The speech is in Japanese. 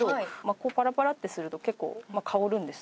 ここパラパラってすると結構香るんですね。